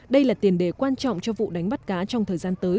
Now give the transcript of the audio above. đây là tiền đề quan trọng cho vụ đánh bắt cá trong thời gian tới